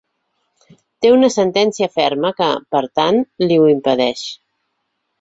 Té una sentència ferma que, per tant, li ho impedeix.